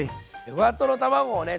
ふわとろ卵をね